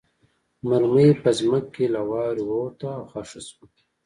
مرمۍ په ځمکه کې له واورې ووته او خښه شوه